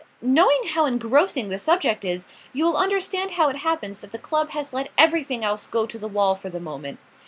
"Knowing how engrossing the subject is, you will understand how it happens that the club has let everything else go to the wall for the moment.